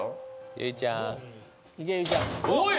ゆいちゃんおい！